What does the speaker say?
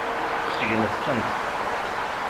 Segnet-tent.